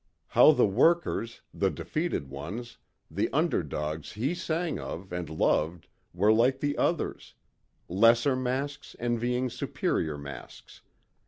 How the workers, the defeated ones, the under dogs he sang of and loved were like the others lesser masks envying superior masks.